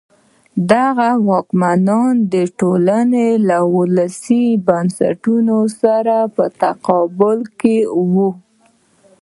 دغه واکمنان د ټولنې له ولسي بنسټونو سره په تقابل کې وو.